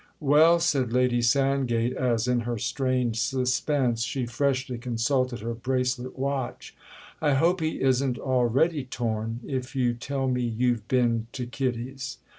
"Well," said Lady Sandgate as, in her strained suspense, she freshly consulted her bracelet watch, "I hope he isn't already torn—if you tell me you've been to Kitty's."